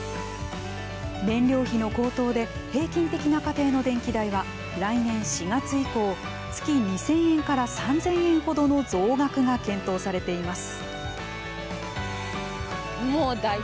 燃料費の高騰で平均的な家庭の電気代は来年４月以降月２０００円３０００円程の増額が検討されています。